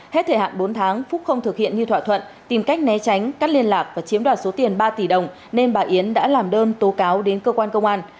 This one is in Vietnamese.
hết thời hạn bốn tháng phúc không thực hiện như thỏa thuận tìm cách né tránh cắt liên lạc và chiếm đoạt số tiền ba tỷ đồng nên bà yến đã làm đơn tố cáo đến cơ quan công an